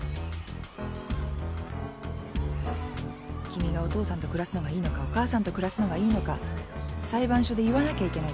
君がお父さんと暮らすのがいいのかお母さんと暮らすのがいいのか裁判所で言わなきゃいけないから。